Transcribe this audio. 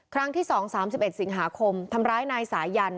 ครั้งที่๒๓๑สิงหาคมทำร้ายนายสายัน